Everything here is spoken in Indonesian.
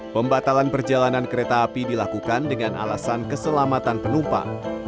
pembatalan perjalanan kereta api dilakukan dengan alasan keselamatan penumpang